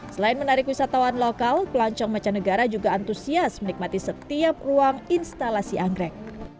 selain menarik wisatawan lokal pelancong mancanegara juga antusias menikmati setiap ruang instalasi anggrek